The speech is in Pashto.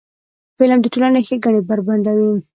فلم د ټولنې ښېګڼې بربنډوي